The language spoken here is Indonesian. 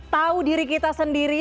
tahu diri kita sendiri